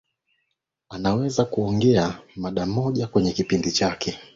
anaweza kuongea mada moja kwenye kipindi chake